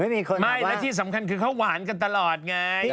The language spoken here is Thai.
ไม่มีคนอ่ะวะไม่แล้วที่สำคัญคือเขาหวานกันตลอดไง